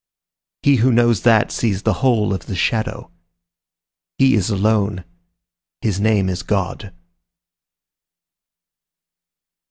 He who knows that sees the whole of the shadow. He is alone. His name is God.